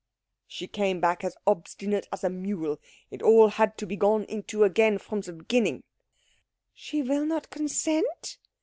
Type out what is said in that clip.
"She came back as obstinate as a mule. It all had to be gone into again from the beginning." "She will not consent?"